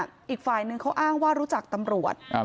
ใช่เพราะว่าอีกฝ่ายหนึ่งเขาอ้างว่ารู้จักตำรวจ